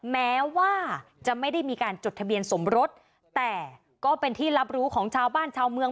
แม้ว่าจะไม่ได้มีการจดทะเบียนสมรสแต่ก็เป็นที่รับรู้ของชาวบ้านชาวเมือง